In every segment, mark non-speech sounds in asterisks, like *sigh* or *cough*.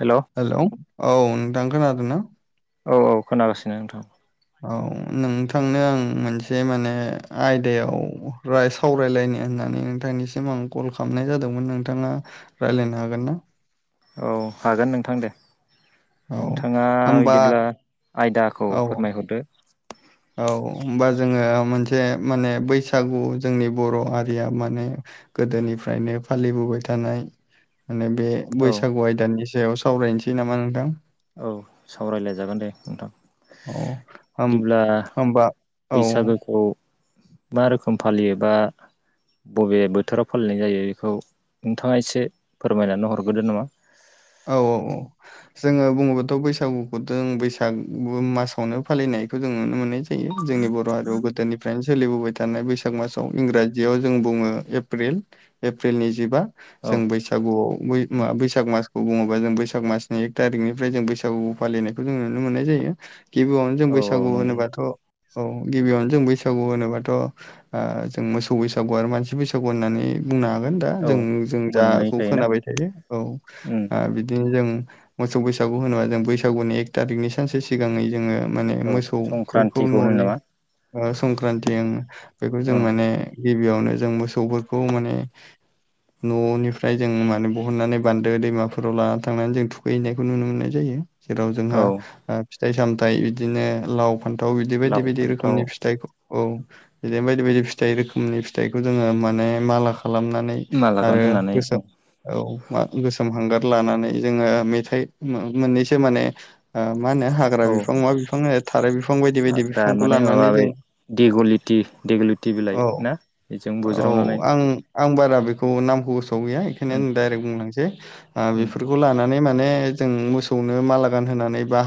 हेल' औ हेलौ, औ नोंथां खोनादोंना? औ औ खोनागासिनो नोंथां। औ नोंथांनो आं मोनसे माने आयदायाव राय सावरायलायनो होननानै नोंथांनिसिम आं कल खालामनाय जादोंमोन, नोंथाङा रायज्लायनो हागोन ना? औ हागोन नोंथां दे। औ नोंथाङा होमबा बिदिब्ला आयदाखौ औ फोरमायहरदो औ होमबा जोङो मोनसे माने बैसागु जोंनि बर' हारिया माने गोदोनिफ्रायनो फालिबोबाय थानाय माने बे औ बैसागु आयदानि सायाव सावरायनोसै नामा नोंथां? औ सावरायलाय जागोन दे नोंथां। औ होम बिदिब्ला आह होमबा औ बैसागोखौ मा रोखोम फालियोबा? बबे बोथोराव फालिनाय जायो बेखौ नोंथाङा एसे फोरमायनानै हरग्रोदो नामा? औ -औ -औ। जोङो बुङोबो बैसागुखौथ' बैसागु मासावनो फालिनायखौ जों नुनो मोननाय जायो। जोंनि बर' हारियाव गोदोनिफ्रायनो सोलिबोबाय थानाय बैसाग मासाव इंराजियाव जों बुङो एप्रिल एप्रिलनिजिबा। औ जों औ बैसागुआव बैसाग मास बुङोबा जों बैसाग मासनि एक थारिखनिफ्राय जों बैसागु फालिनायखौ जों नुनो मोननाय जायो। गिबियावनो जों औ बैसागु नंगौ होनोबाथ' औ गिबियावनो जों बैसागु होनोबाथ' जों मोसौ बैसागु आरो मानसि बैसागु होननानै बुंनो हागोन। दा औ जों जों मोननै जाखौ थायोना खोनाबाय थायो। औ ओ बिदिनो जों मोसौ बैसागु होनोबा जों बैसागुनि एक थारिकनि सानसे सिगाङै जोङो माने औ मोसौफोरखौ संक्रान्तिखौ होनो न'नि नामा संक्रान्ति बेखौ जों औ माने गिबियावनो जों मोसौफोरखौ माने न'निफ्राय जों माने बहननानै बान्दो दैमाफोर राव लाना थांनानै जों थुखैहैनायखौ नुनो मोननाय जायो ।जेराव जोंहा औ फिथाइ- सामथायाइ बिदिनो लाव, फान्थाव बिदि बायदि लाव बायदि फान्थाव रोखोमनि फिथाइखौ औ । बिदिनो बायदि बायदि फिथाइ रोखोमनि फिथाइखौ जोङो माने माला खालामनानै माला आरो गानहोनानै गोस औ मा गोसोम हांगार लानानै जोङो मेथाइ मोननैसो माने मा होनो हाग्रा औ बिफां मा बिफां थाराय बिफां बायदि बायदि हाग्रा बिफांखौ लानानै जों-' देग्लुथि बिलाइ औ ना बेजों औ बुज्रावनानै आं आं बारा बेखौ नामखौ गोसोआव गैया। बेखायनो उम आ दडाइरेक्ट बुंलांसै उम बेफोरखौ लानानै माने माने जो मोसौनो माला गानहोनानै बा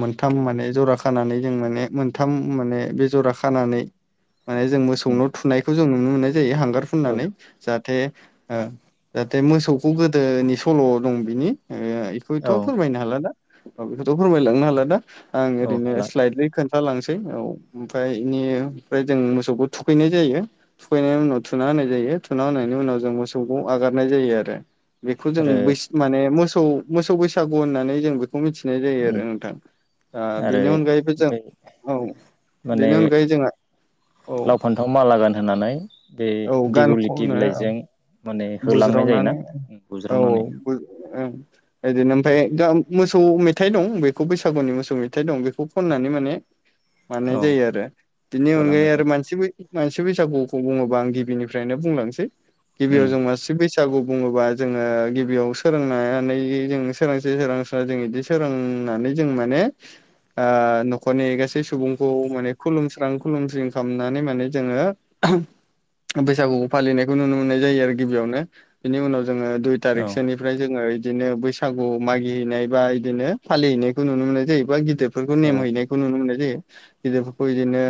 मोनथाम जरा खानानै जों माने मोनथाम बेजरा खानानै माने जों मोसौ उम नाव थुनायखौ जों नुनो मोननाय जों हांगार फो औ नानै जाहाथे मोसौ गोदोनि सल' दं बिनि बेखौथ' औ फोरमायनो हाला दा औ ।बेखौथ' फोरमायलांनो हाला दा आं औ ओरैनो हाला सइलि खोन था लांसै। औ ओमफ्राय बेनि ओमफ्राय जों मोसौखौ थुखैनाय जायो। थुखैनायनि उनाव थुनानै होनाय जायो । थुखैनाय होनायनि उनाव जों मोसौखौ आगारनाय जायो आरो। बेखौ जों आरो ब माने मोसौ - मोसौ बैसागु होननानै जों खौ मिथिनाय जायो उम आरो नोंथां। आरो बेनि अनगायैबो जों बे औ माने बेनि अनगायै जों लाव, फान्थाव मालागान होननानै बे औ गान दिगिलथि खनो औ बिलाइजों माने होलांनाय बुज्रावनानै जायोना औ बुज्रावनानै। ओं बिदिनो ओमफ्राय मोसौ मेथाइ दं। बेखौ बैसागुनि मोसौ मेथाइ दं बेखौ खननानै माने मानाय औ जायो आरो बिनि अनगायै होलांनाय आरो जायो मानसिबो मानसि बैसागुखौ बुङोबा आं गिबिनिफ्रायनो बुंलांनोसै उम गिबियाव जों मानसि बैसागु बुङोबा जोङो गिबियाव सोलोंनानै जों सोरांसै सोरस्रा जों बिदि सोरां ओम होननानै जों माने ओ नखरनि गासै सुबुंखौ माने खुलुमस्रां खुलुमस्रि खालामनानै माने जोङो बैसागुखौ फालिनायखौ नुनो मोननाय जायो आरोखि गिबियावनो बिनि उनाव जोङो दुइ औ थारिखसोनिफ्राय जोङो इदिनो बैसागु मागिहैनाय बा बिदिनो फालिहैनायखौ नुनो मोनो जाहैबा ग गिदिरफोरखौ औ नेम हैनायखौ नुनो मोननाय जायो गिदिर खौ इदिनो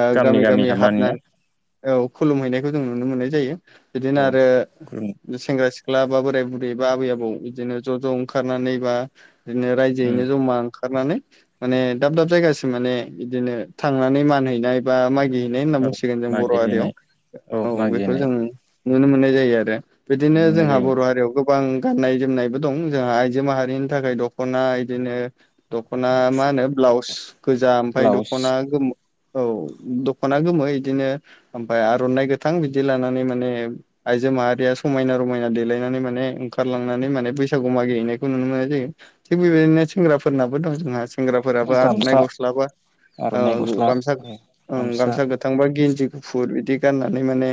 ओ गामि - गामि हाबनानै औ खुलुम हैैनायखौ जों नुनो मोननाय जायो बिदिनो औ आरो खुलुम सेंग्रा सिख्ला बा बोराय बुरै बा आबै आबौ इदिनो ज ज ओंखारनानै बा इदिनो उम रायजोयैनो जमा ओंखा नानै माने दाब दाब जायगासिम माने इदिनो थांनानै मान हैैनाय बा मागि नाय होनना औ बुंसिगोन जों बर मागिहैनाय हारियाव औ बेखौ जों नुनो मोननाय जायो आरो बिदिनो नुनो मोननाय जोंहा जायो बर हारियाव गो गोबां गाननाय जोमनायबो दं जोंहा आइजो माहारिनि थाखाय दखना इदिनो दखना मा मा होनो ब्लाउस गोजा ओमफाय ब्लाउस दखना गोमो औ दखना गोमो इदिनो ओमफ्राय आरनाइ गोथां इदि लानानै माने आइजो माहारिया समायना रमायना देलायनानै माने ओंखारलांनानै माने बैसागु मागिहैनायखौ नुनो मोननाय जायो थिग बेबायदिनो सेंग्राफोरनाबो दं जोंहा सेंग्राफोराबो गामसा आरनाइ गस्ला बा ओ आर'नाइ गु गस्ला गामसा ओं गामसा गोथांबा गिन्जि गुफुर बिदि गाननानै माने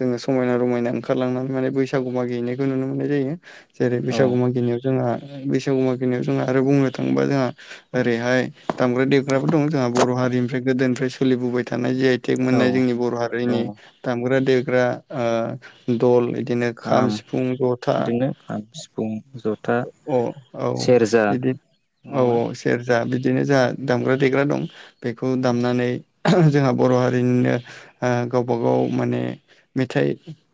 जोङो समायना रमायना ओंखारलांनानै माने बैसागु मागिहैनायखौ नुनो मोननाय जायो जेरै औ बैसागु मागिनायाव जोंहा बैसागु मागिनायाव जोंहा आरो बुंनो थाङोबा जोंहा ओरैहाय दामग्रा देग्राबो दं जोंहा बर हार रिनिफ्राय गोदोनिफ्राय सोलिबोबाय थानाय जि आइ टेक औ मोननाय जोंनि बर दङ हारिनि दामग्रा देग्रा ओ दल बिदिनो खाम सिफुं जथा बिदिनो खाम सिफुं जथा अ औ सेरजा इदि नङा औ होमबा औ सेरजा बिदिनो जाहा दामग्रा देग्रा दं बेखौ दामनानै जोंहा बर हारिनिनो ओ गावबा गाव माने मेथाइ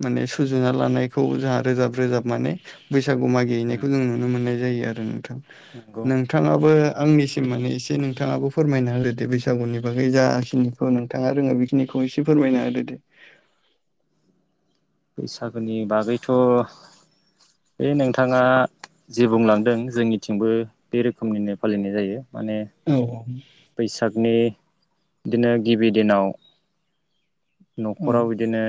माने सुजुना लानायखौ जाहा रोजाब रोजाब माने बैसागु मागिहैनायखौ जों नुनो मोननाय जायो आरो नोंथां नंगौ नोंथाङाबो आंनिसिम माने एसे नोंथाङाबो फोरमायना हो दे बैसागुनि बागै जाखिनिखौ नोंथाङा रोङो बेखिनिखौ एसे फोरमायना होदो दे *inaudible* *unintelligible* बैसागोनि बागैथ' बे नोंथाङा जे बुंलांदों जोंनिथिंबो बे रोखोमनिनो फालिनाय जायो माने औ बैसागनि इदिनो गिबि दिनाव औ नखराव इदिनो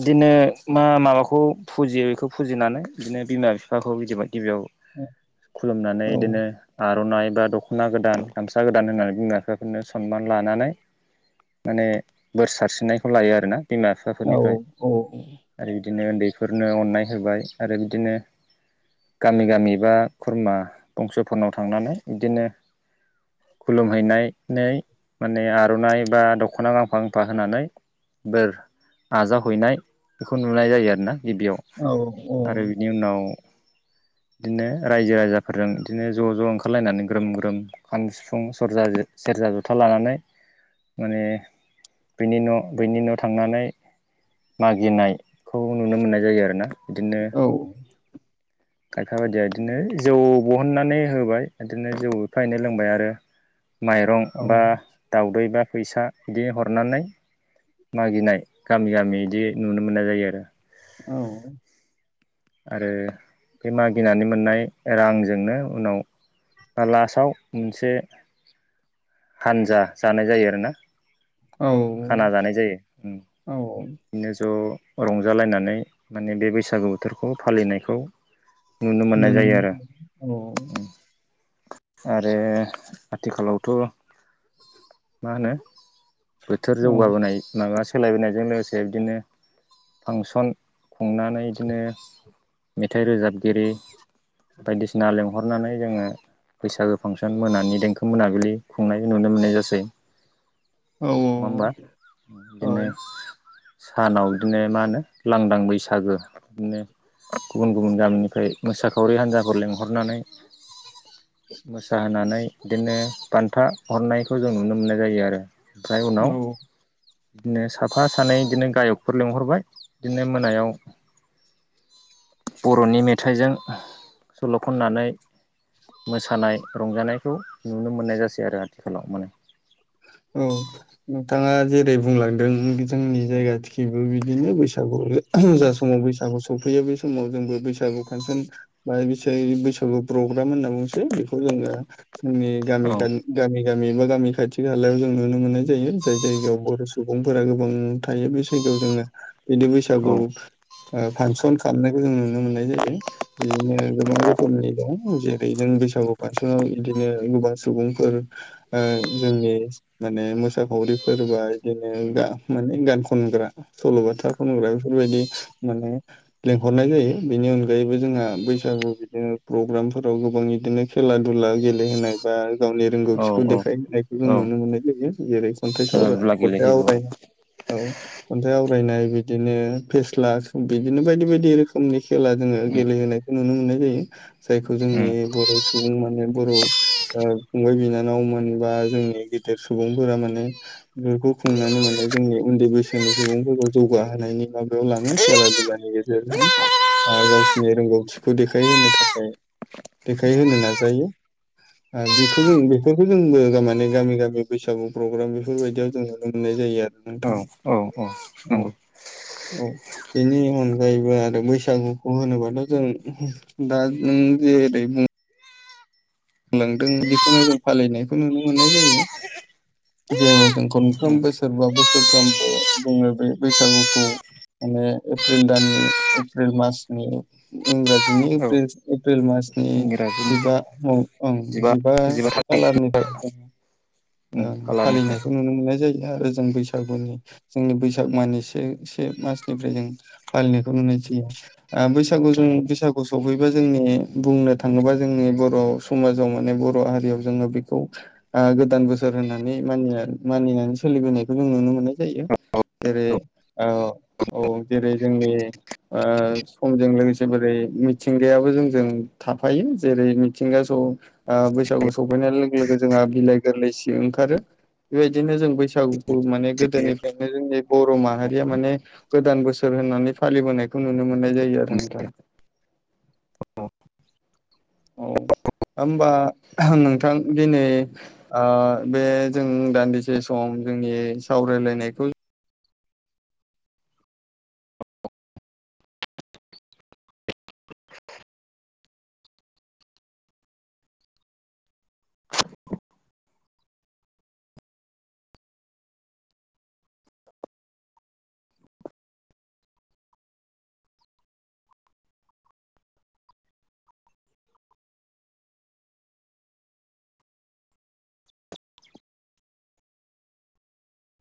इदिनो मा माबाखौ फुजियो इखौ फुजिनानै बिदिनो बिमा बिफाखौ बिदिबाय गिबियाव खुलुमनानै औ इदिनो आ आरनाइ बा दखना गोदान गामसा गोदान होनानै बिमा बिफाफोरनो सनमान लानानै माने बोर सारसिननायखौ लायो आरोना बिमा औ बिफाफोरनिफ्राय औ आरो बिदिनो उन्दैफोरनो अननाय होबाय आरो बिदिनो गामि गामि बा खुरमा बंसफोरनाव थांनानै इदिनो खुलुमहैनायनै माने आरनाइ बा दखना गांफा गांफा होनानै बोर आजाव हैनाय इखौ नुनाय जायो आरो ना गिबियाव औ आरो बिनि उनाव *inaudible* *unintelligible* इदिनो रायजो राजाफोरजों इदिनो ज ज ओंखारलायनानै ग्रोम ग्रोम खाम सिफुं सरजा जे गिर्जा जथा लानानै माने बेनि न बनि न थांनानै मागिनायखौ नुनो मोननाय जायो आरो ना औ खायफा बायदिया बिदिनो जौ बहननानै होबाय बिदिनो जौ एफा एनैनो लोंबाय आरो *inaudible* *unintelligible* माइरं बा दाउदै बा फैसा बिदि हरनानै मागिनाय गामि गामि बिदि नुनो मोननाय जायो आरो औ आरो बे मागिनानै मोननाय रांजोंनो उनाव आ लास्टाव मोनसे हानजा जानाय जायो आरोना औ खाना जानाय जायो ओ औ औ बिदिनो ज रंजालायनानै माने बे बैसागु बोथोरखौ फालिनायखौ नुनो मोननाय जायो आरो मोनो औ आरो आथिखालावथ मा होनो बोथोर औ जौगाबोनाय माबा सोलायबोनायजों लोगोसे बिदिनो फांसन खुंनानै बिदिनो मिथाइ रोजाबगिरि बायदिसिना लेंंहरनानै जोङो बैसागो फांसन मोनानि देंखो मोनाबिलि खुंनाय नुनो मोननाय जासै नङा औ होनबा बिदिनो औ सानाव बिदिनो मा होनो लांदां बैसागो बिदिनो गुबुन गुबुन गामिनिफ्राय मोसाखावरि हान्जाफोर लेंहरनानै मोसाहोनानै बिदिनो बान्था हरनायखौ जों नुनो मोननाय जायो आरो ओमफ्राय उनाव औ बिदिनो साफा सानै बिदिनो गायकफोर लिंहरबाय बिदिनो मोनायाव *inaudible* बरनि मेथाइजों सल खननानै मोसानाय रंजानायखौ नुनो मोन्नाय जासै आरो आथिखालाव माने औ नोंथाङा जेरै बुंलांदों जोंनि जायगाथिखिबो बिदिनो बैसागु जा समाव बैसागु सफैयो बे समाव जोंबो बैसागु खानसन बा बिस बैसागुफ्राव गोदान होन्ना बेखौ जोङो जोंनि गामि औ गामि गामि गामि एबा गामि खाथि बे हालायाव जों नुनो मोननाय जायो जाय जायगायाव बर सुबुंफोरा गोबां थायो बे जायगायाव जोङो बिदि औ बैसागु ओ फांसन खालामनायखौ जों नुनो मोननाय जायो बिदिनो गोबां रोखोमनि दं जे बेजों बैसागु फांसनाव बिदिनो गोबां सुबुंफोर ओ जोंनि माने मोसाखावरिफोरबा बिदिनो माने गान खनग्रा सलबाथा खनग्रा बेफोरबायदि माने लेंहरनाय जायो बेनि अनगायैबो जों जोंहा बैसागु बिदिनो प्रग्रामफोराव गोबां बिदिनो खेला दुला गेलेहोनाय बा गावनि औ रोंगौथिखौ देखाय होनायखौ जों औ औ नुनो मोननाय जायो जेरै खन्थाइसो खेला दुला खन्थाइ गेलेहैबो औ आवरायनाय औ खन्थाइ आवरायनाय बिदिनो फेस्ला बिदिनो बायदि बायदि रोखोमनि खेला जोङो उम गेलेहोनाय नुनो मोननाय जायो जायखौ जोंनि उम बर सुबुं माने बर ओ फंबाय बिनानाव मोनबाय जोंनि गेदेर सुबुंफोरा माने बेफोरखौ खुंनानै माने जोंनि उन्दै बैसोनि सुबुंफोरखौ जौ गाहोयनि माबायाव लाङो खेला दुलानि गेजेरजों गावसिोरनि रोंगौथिखौ देखायहोनो थाखाय देखायहो नाजायो बेखौ जों बेफोरखौ जोंबो गानि माने गामि गामि बैसागु प्रग्राम बेफोरबायदियाव जोङो होनाय जायो आरो औ नोंथां औ औ औ बेनि अनगायैबो आरो बैसागुखौ होनोबाथ जोंङो दा *unintelligible* नोंदों बेखौनो जों फालिनायखौ नुनो मोननाय जायो जेराव जों खनफ्रोम उम बोसोरबा बोसोरफ्रोमबो बुङो बे बैसागुखौ माने एप्रिल दाननि एप्रिल मासनि इंराजिनि औ एप्रिल एप्रिल मास नि इंराजिनि जिबा औ ओं जिबा स खालारनिफ्राय जोङो ओं फालिनायखौ नुनो मोननाय जायो आरो जों बैसागुनि जोंनि बैसाग माननि से से मासनिफ्राय जों फालिनायखौ नुनाय जायो ओ बैसागु जों बैसागु सौफैबा जोंनि बुंनो थाङोबा जोंनि बर समाजाव माने बर हारियाव जोङो बेखौ ओ गोदान बोसोर होननानै मानिना मानिनानै सो सोलिबोनायखौ जों नुनो मोननाय जायो जेरै ओ औ जेरै जोंनि ओ समजों लोगोसे बोरै मिथिंगायाबो जोंजों थाफायो जेरै मिथिंगा खौ ओ बैसागु सौफैनाय लोगो लोगो जोंहा बिलाइ गोरलैसि ओंखारो। बेबायदिनो जों बैसागु। खौ माने खालारनिफ्राय गोदोनिफ्रायनो जोंनि बर माहारिया माने गोदान बोसोर होननानै फालिबोनायखौ नुनो मो मोननाय जायो आरो नोंथां। औ औ होमबा नोंथां दिनै ओ बे जों। दान्दिसे सम जोंनि सावरायलायनायखौ।